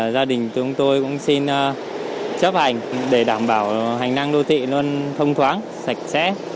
gia đình chúng tôi cũng xin chấp hành để đảm bảo hành năng đô thị luôn thông thoáng sạch sẽ